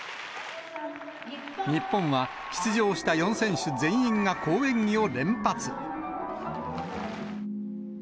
日本は出場した４選手全員が好演技を連発。